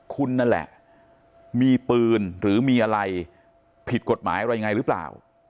คุณนั่นแหละมีปืนหรือมีอะไรผิดกฎหมายอะไรยังไงหรือเปล่า